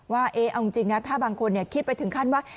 ว่าเอาจริงนะถ้าบางคนคิดไปถึงขั้นว่า